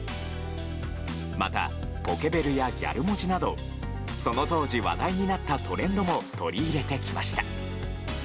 また、ポケベルやギャル文字などその当時話題になったトレンドも取り入れてきました。